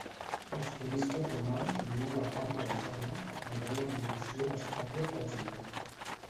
Els turistes romans sovint navegaven per la zona, admirant la col·lecció d'estàtues de la ciutat.